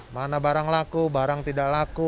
mana barang laku barang tidak laku